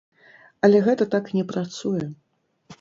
Але гэта так не працуе.